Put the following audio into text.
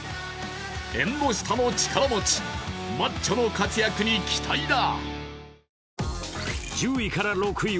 縁の下の力持ち、マッチョの活躍に期待だ。